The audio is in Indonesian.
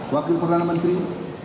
wakil perdana menteri